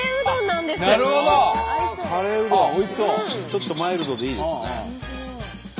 ちょっとマイルドでいいですね。